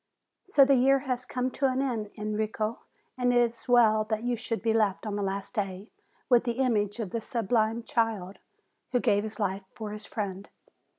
So the year has come to an end, Enrico, and it is well that you should be left on the last day with the image of the sublime child, who gave his life for his friend.